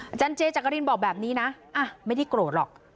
อาจารย์เจจักรินบอกแบบนี้นะไม่ได้โกรธหรอก